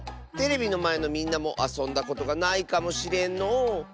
テレビのまえのみんなもあそんだことがないかもしれんのう。